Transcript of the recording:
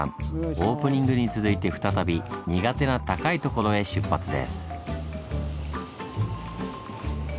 オープニングに続いて再び苦手な高い所へ出発です。